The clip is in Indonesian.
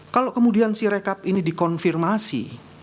kalau kemudian si rekap ini dikonfirmasi